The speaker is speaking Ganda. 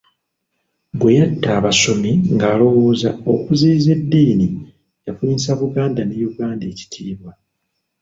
Bwe yatta abasomi ng'alowooza okuziyiza eddiini yafunyisa Buganda ne Uganda ekitiibwa.